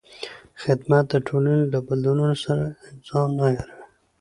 خدمت د ټولنې له بدلونونو سره ځان عیاروي.